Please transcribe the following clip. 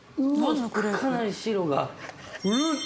かなり汁が。